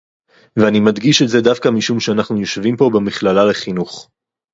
ואני מדגיש את זה דווקא משום שאנחנו יושבים פה במכללה לחינוך